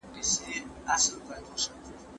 ولي حماقت هیڅکله نه بدلیږي؟